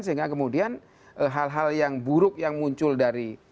sehingga kemudian hal hal yang buruk yang muncul dari